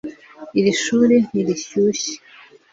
Iri shuri ntirishyushya